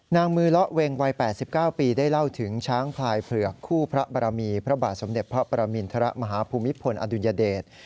มือเลาะเวงวัย๘๙ปีได้เล่าถึงช้างพลายเผือกคู่พระบรมีพระบาทสมเด็จพระประมินทรมาฮภูมิพลอดุลยเดช